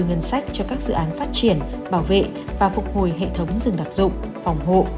ngân sách cho các dự án phát triển bảo vệ và phục hồi hệ thống rừng đặc dụng phòng hộ